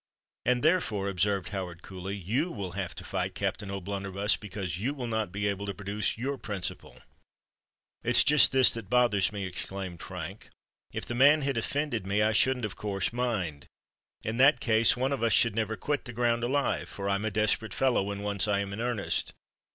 "And, therefore," observed Howard coolly, "you will have to fight Captain O'Blunderbuss, because you will not be able to produce your principal." "It's just this that bothers me," exclaimed Frank. "If the man had offended me, I shouldn't of course mind: in that case, one of us should never quit the ground alive—for I'm a desperate fellow, when once I am in earnest.